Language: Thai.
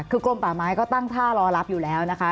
คือกลมป่าไม้ก็ตั้งท่ารอรับอยู่แล้วนะคะ